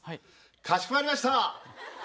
かしこまりました。